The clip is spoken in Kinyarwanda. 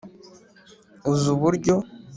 uzi uburyo